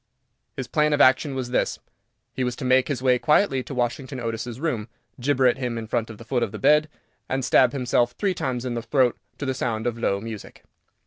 His plan of action was this. He was to make his way quietly to Washington Otis's room, gibber at him from the foot of the bed, and stab himself three times in the throat to the sound of low music.